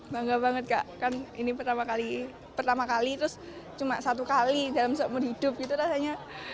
bangga banget kak kan ini pertama kali terus cuma satu kali dalam seumur hidup gitu rasanya